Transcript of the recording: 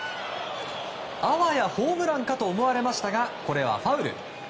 あわやホームランかと思われましたがこれはファウル。